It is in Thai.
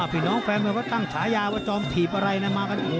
พี่น้องแฟนก็ตั้งชาญาว่าจอมถีบอะไรมากัน